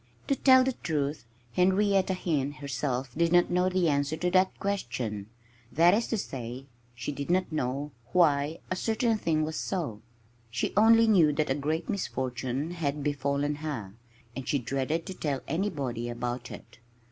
To tell the truth, Henrietta Hen herself did not know the answer to that question. That is to say, she did not know why a certain thing was so. She only knew that a great misfortune had befallen her. And she dreaded to tell anybody about it.